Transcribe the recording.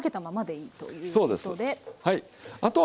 はい。